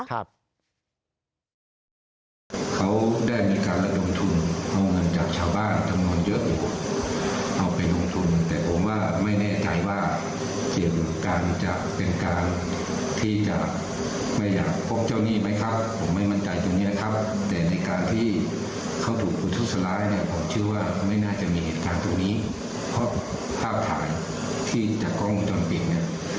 ครับก้องจนกะติดเข้าออกมาขายจริงครับผม